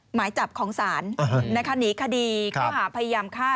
หมายจับของศาลหนีคดีข้อหาพยายามฆ่า